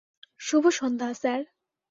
শুভ সন্ধ্যা, স্যার।